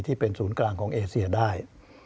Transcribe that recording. ที่เป็นศูนย์กลางของเอเซียได้